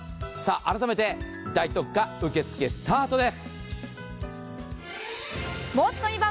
改めて大特価、受け付けスタートです。